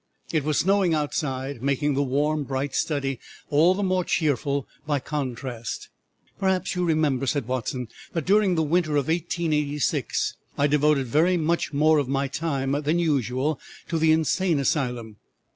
It was snowing outside, making the warm, bright study all the more cheerful by contrast. "Perhaps you remember," said Watson, "that during the winter of 1886 I devoted much more of my time than usual to the Insane Asylum.